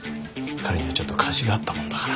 彼にはちょっと貸しがあったもんだから。